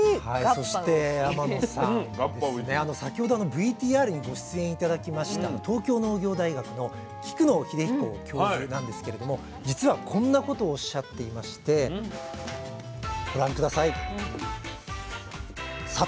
そして天野さん先ほどＶＴＲにご出演頂きました東京農業大学の菊野日出彦教授なんですけれども実はこんなことをおっしゃっていましてご覧下さい。